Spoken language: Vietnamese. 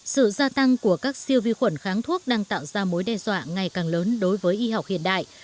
sự gia tăng của các siêu vi khuẩn kháng thuốc đang tạo ra mối đe dọa ngày càng lớn đối với y học hiện đại